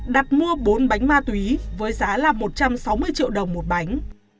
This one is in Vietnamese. đặt mua bốn bánh ma túy với giá là một trăm sáu mươi triệu đồng một bánh